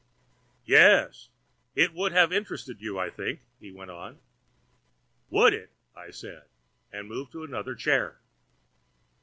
"Yes. It would have interested you, I think," he went on. "Would it?" I said, and moved to another chair.